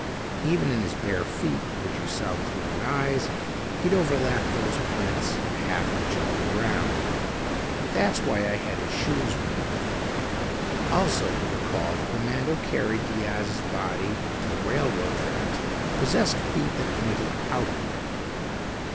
Even in his bare feet, which you saw with your own eyes, he'd overlap those prints a half inch all around. That's why I had his shoes removed. Also, you recall that the man who carried Diaz's body to the railroad tracks possessed feet that pointed outward.